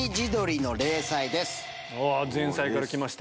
前菜から来ました！